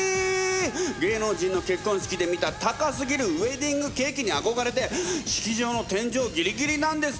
芸能人の結婚式で見た高すぎるウエディングケーキに憧れて式場の天井ギリギリなんですけどという人たちも